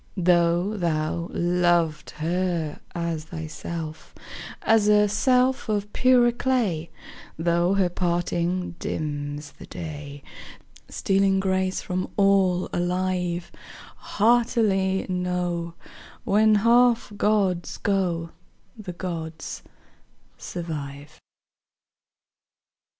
Though thou loved her as thyself, As a self of purer clay, Though her parting dims the day, Stealing grace from all alive; Heartily know, When half gods go, The gods survive.